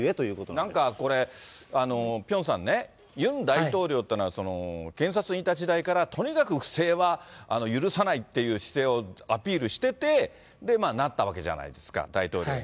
なんかこれ、ピョンさんね、ユン大統領っていうのは検察にいた時代から、とにかく不正は許さないっていう姿勢をアピールしてて、なったわけじゃないですか、大統領に。